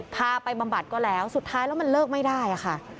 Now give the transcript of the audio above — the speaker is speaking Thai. พาไปบำบัดก็แล้วสุดท้ายแล้วมันเลิกไม่ได้ค่ะ